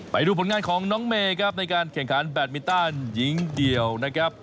ไปดูผลงานของน้องเมย์ครับในการแข่งขันแบตมินตันหญิงเดี่ยวนะครับ